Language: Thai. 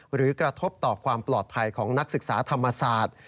หรือกระทบต่อความปลอดภัยของนักศึกษาธรรมศาสตร์